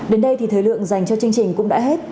đến đây thì thời lượng dành cho chương trình cũng đã hết